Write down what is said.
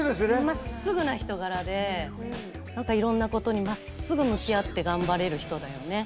まっすぐな人柄で、なんかいろんなことにまっすぐ向き合って頑張れる人だよね。